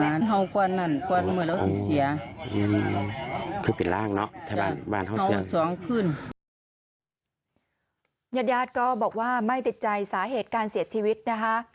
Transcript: ญาติก็บอกว่าไม่ติดใจสาเหตุการเสียชีวิตนะคะ